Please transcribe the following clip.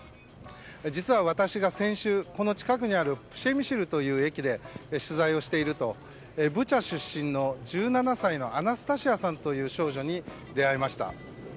実は、私が先週この近くにあるプシェミシェルという駅で取材をしているとブチャ出身の１７歳のアナスタシアさんという少女に出会いました。